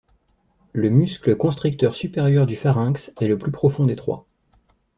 Le muscle constricteur supérieur du pharynx est le plus profond des trois.